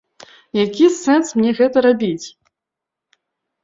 Які сэнс мне гэта рабіць?